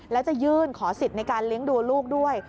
แล้วจะยื่นขอสิทธิ์ในการเลี้ยงดูลูกด้วย